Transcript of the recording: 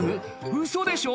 ウソでしょ